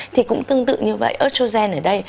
thì cũng tương tự như vậy